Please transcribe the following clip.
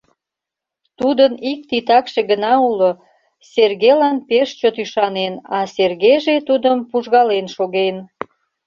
Тудын ик титакше гына уло: Сергелан пеш чот ӱшанен, а Сергеже тудым пужгален шоген.